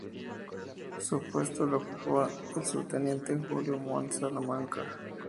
Su puesto lo ocupó el subteniente Julio Montt Salamanca.